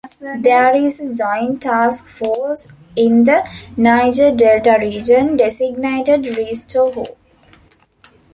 There is a Joint Task Force in the Niger Delta region designated Restore Hope.